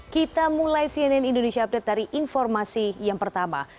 kita mulai cnn indonesia update dari informasi yang pertama